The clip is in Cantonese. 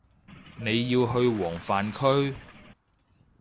你要去黃泛區